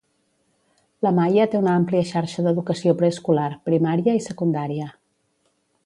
La Maia té una àmplia xarxa d'educació preescolar, primària i secundària.